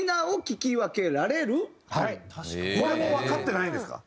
これもわかってないんですか？